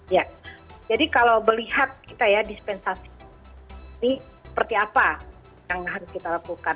ya jadi kalau melihat kita ya dispensasi ini seperti apa yang harus kita lakukan